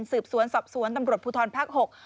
สืบสวนสอบสวนตำรวจภูทรภาค๖